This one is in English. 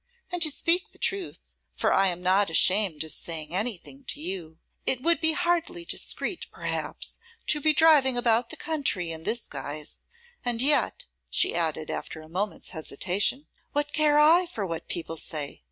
And to speak the truth, for I am not ashamed of saying anything to you, it would be hardly discreet, perhaps, to be driving about the country in this guise. And yet,' she added, after a moment's hesitation, 'what care I for what people say?